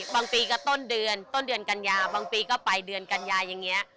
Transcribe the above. บางปีก็ต้นเดือนกันยาบางปีก็ไปเดือนกันยาอย่างนี้